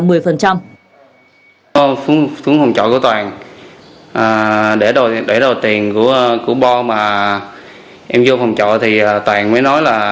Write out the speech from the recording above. tôi xuống phòng trọ của toàn để đồ tiền của bò mà em vô phòng trọ thì toàn mới nói là